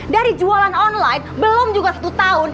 dari jualan online belum juga satu tahun